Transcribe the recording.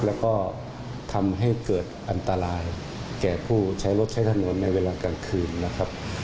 แล้วก็ทำให้เกิดอันตรายแก่ผู้ใช้รถใช้ถนนในเวลากลางคืนนะครับ